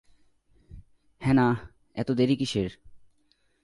Hannah এত দেরি কিসের?